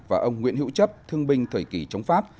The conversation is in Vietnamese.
và ông nguyễn hữu chấp thương binh thời kỳ chống pháp